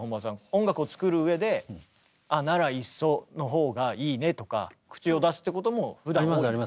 音楽を作る上で「ならいっそ」のほうがいいねとか口を出すってこともふだんは多い？